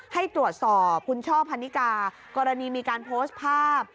ให้ตรวจสอบคุณช่อพันนิกากรณีมีการโพสต์ภาพ